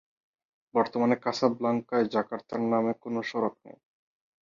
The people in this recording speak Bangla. বর্তমানে কাসাবলংকায় জাকার্তার নামে কোন সড়ক নেই।